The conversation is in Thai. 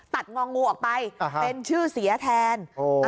งองูออกไปเป็นชื่อเสียแทน